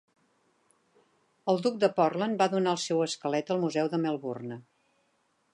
El duc de Portland va donar el seu esquelet al Museu de Melbourne.